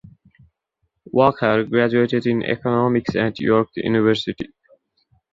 Walker graduated in Economics at York University.